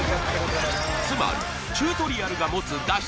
つまりチュートリアルが持つ脱出